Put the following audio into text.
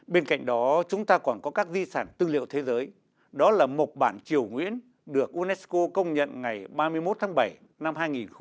bên cạnh đó chúng ta còn có các di sản tư liệu thế giới đó là mộc bản triều nguyễn được unesco công nhận ngày ba mươi một tháng bảy năm hai nghìn một mươi chín